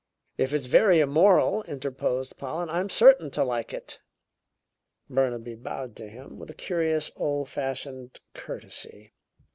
"If it's very immoral," interposed Pollen, "I'm certain to like it." Burnaby bowed to him with a curious old fashioned courtesy.